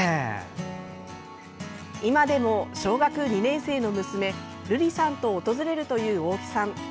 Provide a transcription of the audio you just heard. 今でも小学２年生の娘瑠莉さんと訪れるという大木さん。